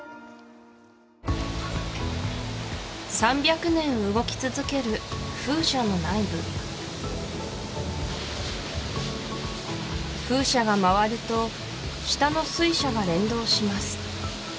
３００年動き続ける風車の内部風車が回ると下の水車が連動します